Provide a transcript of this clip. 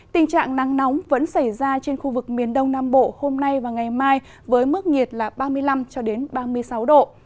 tình trạng nắng nóng vẫn xảy ra trên khu vực miền đông nam bộ hôm nay và ngày mai với mức nhiệt là ba mươi năm ba mươi sáu độ